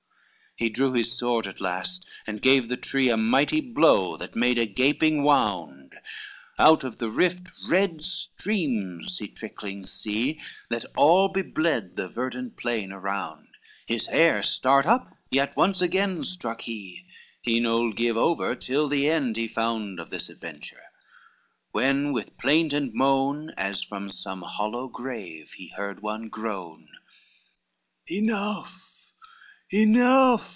XLI He drew his sword at last, and gave the tree A mighty blow, that made a gaping wound, Out of the rift red streams he trickling see That all bebled the verdant plain around, His hair start up, yet once again stroke he, He nould give over till the end he found Of this adventure, when with plaint and moan, As from some hollow grave, he heard one groan. XLII "Enough, enough!"